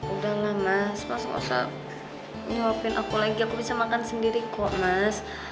udahlah mas mas gak usah nyewapin aku lagi aku bisa makan sendiri kok mas